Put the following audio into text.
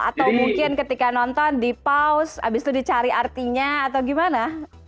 atau mungkin ketika nonton dipause habis itu dicari artinya atau bagaimana